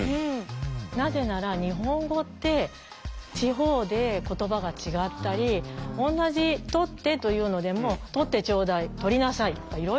なぜなら日本語って地方で言葉が違ったり同じ「取って」というのでも「取ってちょうだい」「取りなさい」